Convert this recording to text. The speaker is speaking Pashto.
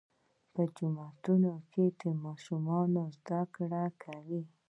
په جوماتونو کې ماشومان زده کړه کوي.